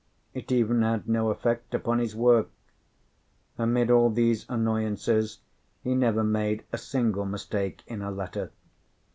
It even had no effect upon his work: amid all these annoyances he never made a single mistake in a letter.